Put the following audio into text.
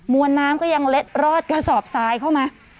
วนน้ำก็ยังเล็ดรอดกระสอบทรายเข้ามา